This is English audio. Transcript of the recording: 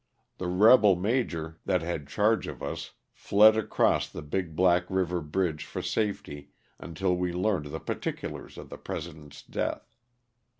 The rebel major that had charge of us fled across the Big Black river bridge for safety until we learned the particulars of the President's death.